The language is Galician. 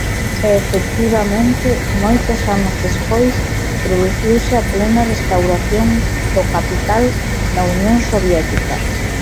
E efectivamente moitos anos despois produciuse a plena restauración do capital na Unión Soviética.